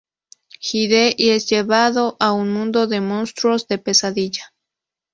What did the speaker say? Hyde y es llevado a un mundo de monstruos de pesadilla.